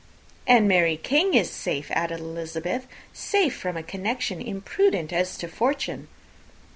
"And Mary King is safe!" added Elizabeth; "safe from a connection imprudent as to fortune."